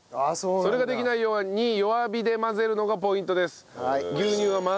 それができないように弱火で混ぜるのがポイントです。